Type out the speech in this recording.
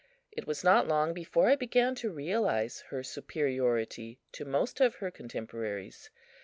It was not long before I began to realize her superiority to most of her contemporaries.